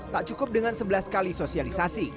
tak cukup dengan sebelas kali sosialisasi